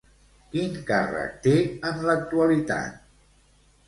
Quin càrrec té en l'actualitat?